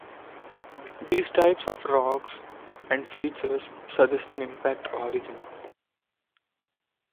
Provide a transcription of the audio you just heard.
These types of rocks and features suggest an impact origin.